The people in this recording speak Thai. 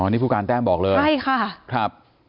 อ๋อนี่ผู้การแต้มบอกเลยใช่ค่ะ